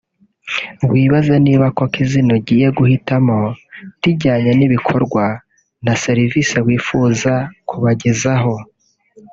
wibaze niba koko izina ugiye guhitamo rijyanye n’ibikorwa na serivisi wifuza kubagezaho